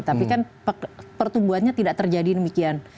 tapi kan pertumbuhannya tidak terjadi demikian